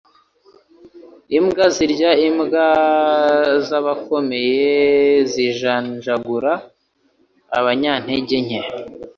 Imbwa zirya imbwa, zabakomeye zijanjagura abanyantege nke.